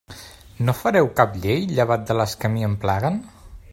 No fareu cap llei llevat de les que a mi em plaguen?